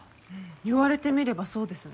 言われてみればそうですね。